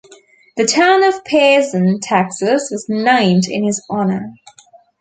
The town of Pearson, Texas was named in his honor.